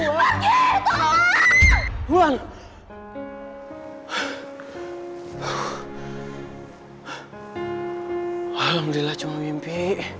hai uang hai hai hai hai hai alhamdulillah cuma mimpi